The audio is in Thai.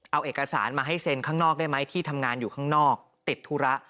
เอาเอกสารมาให้เซ็นข้างนอกได้ไหมที่ทำงานอยู่ข้างนอกติดธุระ